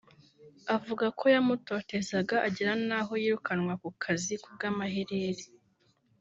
avuga ko yamutotezaga agera n’aho yirukannwa ku kazi ku bw’amaherere